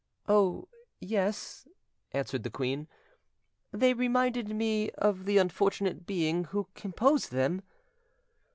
"Oh, yes," answered the queen; "they reminded me of the unfortunate being who composed them."